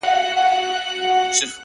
وخت د ژمنتیا تله ده؛